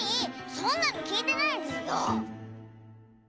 そんなのきいてないズルよ！